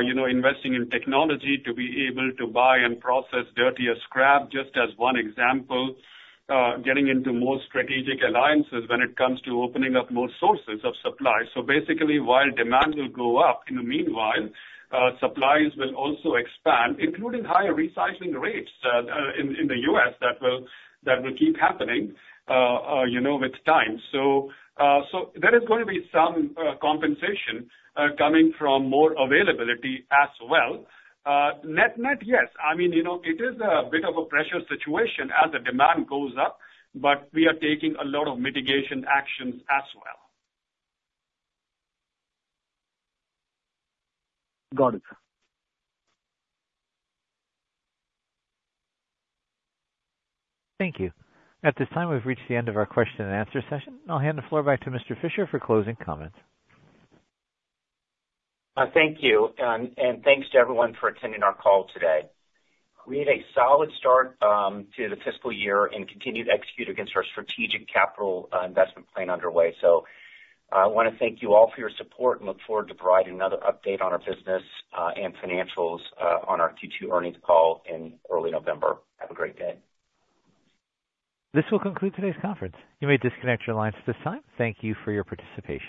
you know, investing in technology to be able to buy and process dirtier scrap, just as one example, getting into more strategic alliances when it comes to opening up more sources of supply. Basically, while demand will go up, in the meanwhile, supplies will also expand, including higher recycling rates, in the U.S., that will keep happening, you know, with time. There is going to be some compensation coming from more availability as well. Net, net, yes. I mean, you know, it is a bit of a pressure situation as the demand goes up, but we are taking a lot of mitigation actions as well. Got it. Thank you. At this time, we've reached the end of our question and answer session. I'll hand the floor back to Steve Fisher for closing comments. Thank you. Thanks to everyone for attending our call today. We had a solid start to the fiscal year and continued to execute against our strategic capital investment plan underway. I want to thank you all for your support and look forward to providing another update on our business and financials on our Q2 earnings call in early November. Have a great day. This will conclude today's conference. You may disconnect your lines at this time. Thank you for your participation.